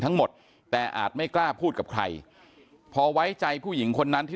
ทั้งหมดแต่อาจไม่กล้าพูดกับใครพอไว้ใจผู้หญิงคนนั้นที่